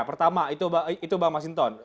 pertama itu bang masinton